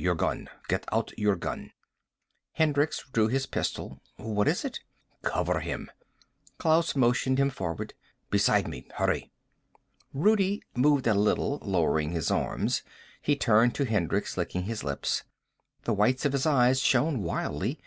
Your gun. Get out your gun." Hendricks drew his pistol. "What is it?" "Cover him." Klaus motioned him forward. "Beside me. Hurry!" Rudi moved a little, lowering his arms. He turned to Hendricks, licking his lips. The whites of his eyes shone wildly.